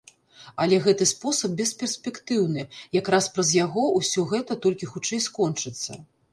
Але гэты спосаб бесперспектыўны, якраз праз яго ўсё гэта толькі хутчэй скончыцца.